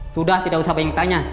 sudah tidak usah bayangin tanya